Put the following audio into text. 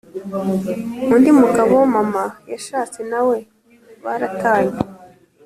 Undi mugabo mama yashatse na we baratanye